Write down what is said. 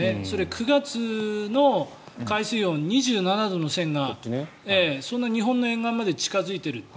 ９月の海水温、２７度の線がそんな日本の沿岸まで近付いている。